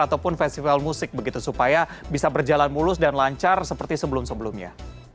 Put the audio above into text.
ataupun festival musik begitu supaya bisa berjalan mulus dan lancar seperti sebelum sebelumnya